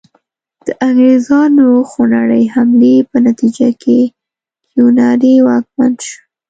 د انګریزانو خونړۍ حملې په نتیجه کې کیوناري واکمن شو.